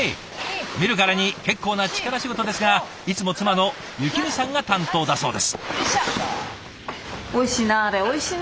見るからに結構な力仕事ですがいつも妻の幸美さんが担当だそうです。